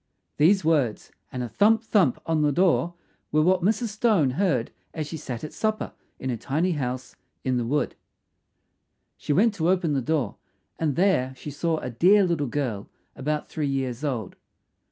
These words, and a thump! thump! on the door were what Mrs. Stone heard as she sat at supper in her tiny house in the wood. She went to open the door, and there she saw a dear little girl about three years old.